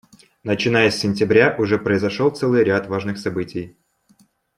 Начиная с сентября уже произошел целый ряд важных событий.